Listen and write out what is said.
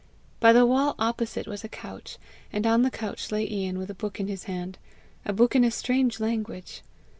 By the wall opposite was a couch, and on the couch lay Ian with a book in his hand a book in a strange language.